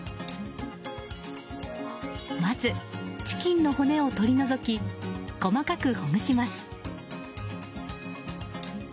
まず、チキンの骨を取り除き細かくほぐします。